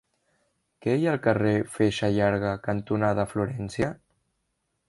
Què hi ha al carrer Feixa Llarga cantonada Florència?